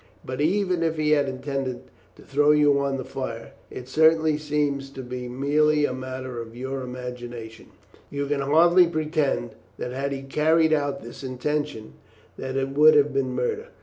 But even if he had intended to throw you on the fire, which certainly seems to be merely a matter of your imagination, you can hardly pretend that had he carried out this intention that it would have been murder.